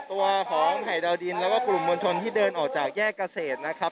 ตัวของไผ่ดาวดินแล้วก็กลุ่มมวลชนที่เดินออกจากแยกเกษตรนะครับ